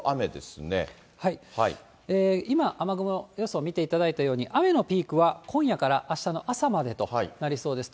今、雨雲予想を見ていただいたように、雨のピークは今夜からあしたの朝までとなりそうです。